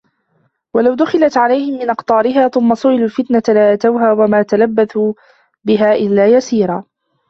وَلَوْ دُخِلَتْ عَلَيْهِمْ مِنْ أَقْطَارِهَا ثُمَّ سُئِلُوا الْفِتْنَةَ لَآتَوْهَا وَمَا تَلَبَّثُوا بِهَا إِلَّا يَسِيرًا